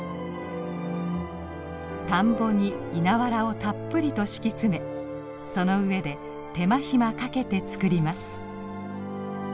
田んぼに稲わらをたっぷりと敷き詰めその上で手間暇かけて作ります。